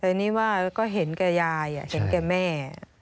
แต่นี่ว่าก็เห็นแก่ยายเห็นแก่แม่